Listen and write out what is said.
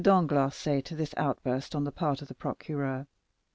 Danglars say to this outburst on the part of the procureur?"